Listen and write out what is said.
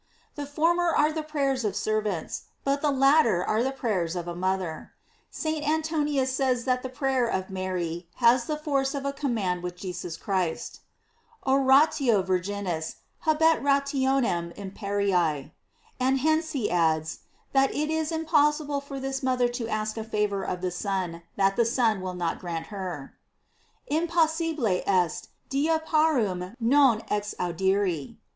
The former are the prayers of ser vants, but the latter are the prayers of a moth er. St. Antoninus says that the prayer of Mary has the force of a command with Jesus Christ: "Oratio Virginis habet rationem imperil;" and hence he adds, that it is impossible for this moth er to ask a favor of the Son that the Son will not grant her: "Impossibile est Deiparam non ex audiri."